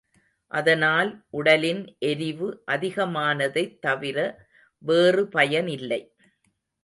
அதனால் உடலின் எரிவு அதிகமானதைத் தவிர வேறு பயனில்லை.